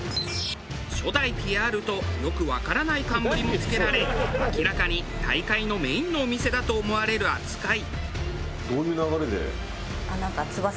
「初代ピヤール」とよくわからない冠も付けられ明らかに大会のメインのお店だと思われる扱い。